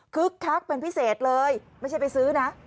คักเป็นพิเศษเลยไม่ใช่ไปซื้อนะ